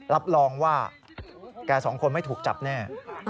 รับรองว่าแกสองคนไม่ถูกจับแน่